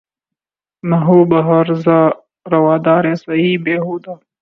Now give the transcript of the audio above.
نہ ہو بہ ہرزہ روادارِ سعیء بے ہودہ